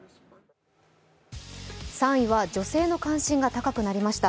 ３位は女性の関心が高くなりました。